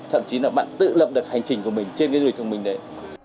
thậm chí là bạn tự lập được hành trình của mình trên cái du lịch thông minh đấy